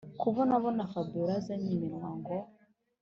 kubona abona fabiora azanye iminwa ngo